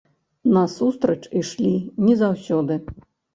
Насустрач ішлі не заўсёды.